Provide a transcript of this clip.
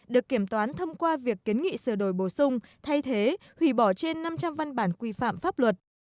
được kiểm toán thông qua việc kiến nghị sửa đổi bổ sung thay thế hủy bỏ trên năm trăm linh văn bản quy phạm pháp luật